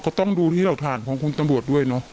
ต้องดูที่หลักฐานของคุณตำรวจด้วยเนอะ